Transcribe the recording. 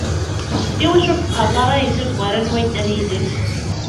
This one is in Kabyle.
Iwacu ur d-teqqareḍ ara deg tazwara anwa yeddan yid-k?